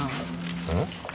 うん？